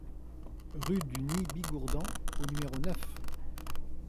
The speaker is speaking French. Rue du Nid Bigourdan au numéro neuf